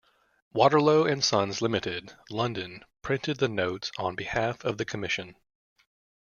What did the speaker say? Waterlow and Sons, Limited, London printed the notes on behalf of the commission.